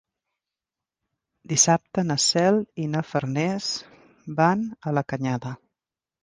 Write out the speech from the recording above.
Dissabte na Cel i na Farners van a la Canyada.